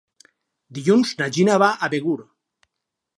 Dilluns na Gina va a Begur.